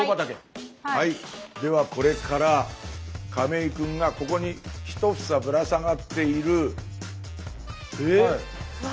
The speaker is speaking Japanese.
ではこれから亀井くんがここに１房ぶら下がっている。